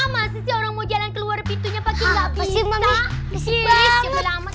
masih orang mau jalan keluar pintunya pak chandra apa sih mami berisik banget